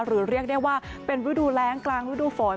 หรือเรียกได้ว่าเป็นวิดูแรงกลางวิดูฝน